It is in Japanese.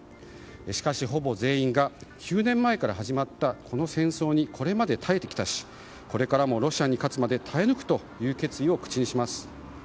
しかし、ほぼ全員が９年前から始まったこの戦争にこれまで耐えてきたしこれからもロシアに勝つまで耐え抜くという決意を口にします。